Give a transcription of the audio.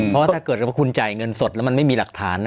เพราะถ้าเกิดว่าคุณจ่ายเงินสดแล้วมันไม่มีหลักฐาน